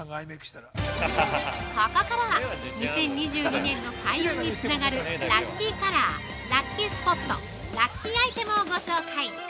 ここからは、２０２２年の開運につながるラッキーカラー、ラッキースポットラッキーアイテムをご紹介。